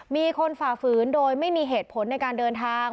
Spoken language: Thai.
ฝ่าฝืนโดยไม่มีเหตุผลในการเดินทาง